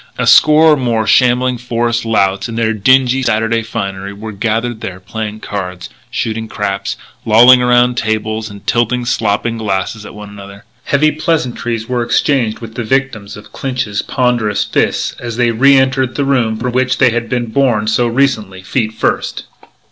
A score or more shambling forest louts in their dingy Saturday finery were gathered there playing cards, shooting craps, lolling around tables and tilting slopping glasses at one another. Heavy pleasantries were exchanged with the victims of Clinch's ponderous fists as they re entered the room from which they had been borne so recently, feet first.